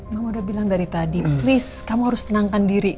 mama udah bilang dari tadi please kamu harus tenangkan diri